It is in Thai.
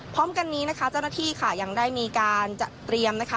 พร้อมกันนี้นะคะเจ้าหน้าที่ค่ะยังได้มีการจัดเตรียมนะคะ